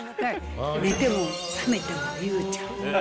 私が、寝ても覚めても裕ちゃん。